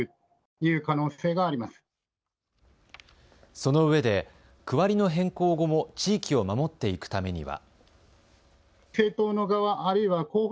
そのうえで区割りの変更後も地域を守っていくためには。